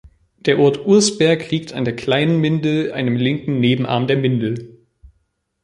Der Ort Ursberg liegt an der Kleinen Mindel, einem linken Nebenarm der Mindel.